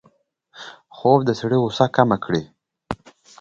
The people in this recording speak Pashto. خوب د سړي غوسه کمه کړي